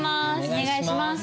お願いします。